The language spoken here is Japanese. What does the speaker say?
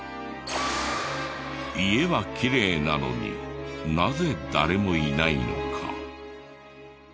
家はきれいなのになぜ誰もいないのか？